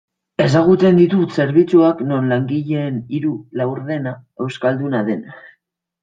Ezagutzen ditut zerbitzuak non langileen hiru laurdena euskalduna den.